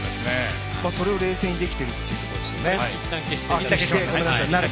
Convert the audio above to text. それを冷静にできているというところですね。